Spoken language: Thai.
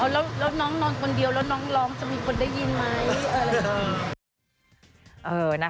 แล้วน้องนอนคนเดียวแล้วน้องร้องจะมีคนได้ยินไหม